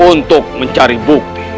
untuk mencari bukti